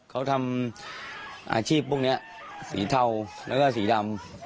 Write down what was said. เขาทำอาชีพพวกนี้สีเทาแล้วก็สีดำ